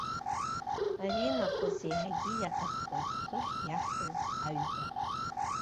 Аринахыс еиҳагьы иаҭаххоит хыхь иаҳҳәаз аҩба.